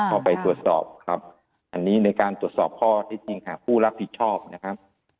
เข้าไปตรวจสอบครับอันนี้ในการตรวจสอบข้อที่จริงหาผู้รับผิดชอบนะครับ